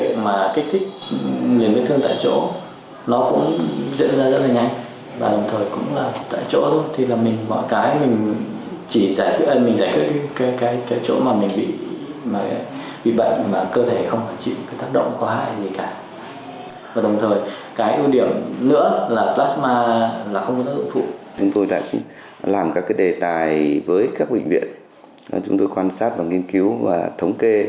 thì chúng tôi đã làm các đề tài với các bệnh viện